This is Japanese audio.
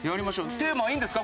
テーマはいいんですか？